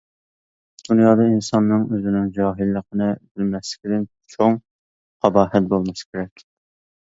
دۇنيادا ئىنساننىڭ ئۆزىنىڭ جاھىللىقىنى بىلمەسلىكىدىن چوڭ قاباھەت بولمىسا كېرەك.